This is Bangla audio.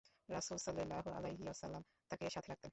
রাসূল সাল্লাল্লাহু আলাইহি ওয়াসাল্লাম তাকে সাথে রাখতেন।